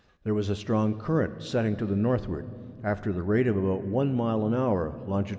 There was a strong Current setting to the Northward, after the rate of about 1 Mile an Hour, Longit.